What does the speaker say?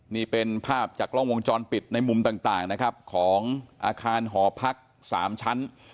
นี่เป็นภาพจากกล้องวงจรปิดในมุมต่างนะครับของอาคารหอพัก๓ชั้น